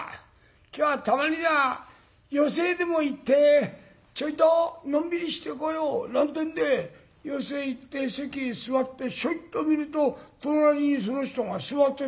今日はたまには寄席へでも行ってちょいとのんびりしてこよう」なんてんで寄席へ行って席へ座ってひょいっと見ると隣にその人が座ってたりなんかして。